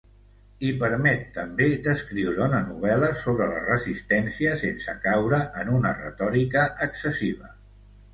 I permet, també, d'escriure una novel·la sobre la resistència sense caure en una retòrica excessiva.